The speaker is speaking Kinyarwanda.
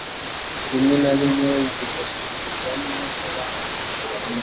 rimwe na rimwe zigasubirwamo n'abandi